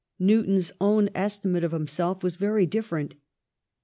Newton's own estimate of himself was very different.